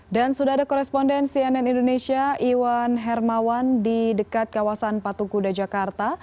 dan sudah ada koresponden cnn indonesia iwan hermawan di dekat kawasan patung kuda jakarta